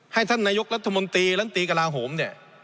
ให้ท่านนายกรัฐมนตรีรัฐมนตรีกระลาฮมเนี่ย